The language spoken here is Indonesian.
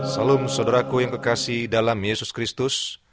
salum saudaraku yang kekasih dalam yesus kristus